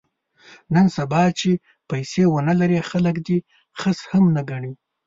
نن سبا چې پیسې ونه لرې خلک دې خس هم نه ګڼي.